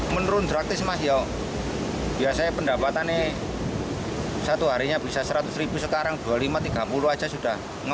menurun drastis mas ya biasanya pendapatan ini satu harinya bisa seratus ribu sekarang dua puluh lima tiga puluh aja sudah